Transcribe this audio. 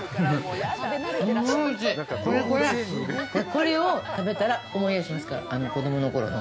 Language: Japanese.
これを食べたら思い出しますから子供のころの。